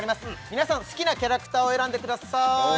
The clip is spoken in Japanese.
皆さん好きなキャラクターを選んでください